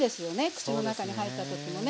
口の中に入った時もね。